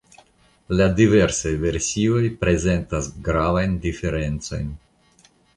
La diversaj versioj prezentas gravajn diferencojn.